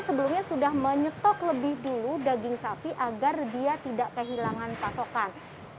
sebelumnya sudah menyetok lebih dulu daging sapi agar dia tidak kehilangan pasokan